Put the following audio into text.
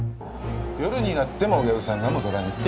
夜になってもお客さんが戻らないって。